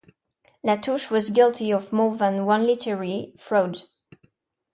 Latouche was guilty of more than one literary fraud.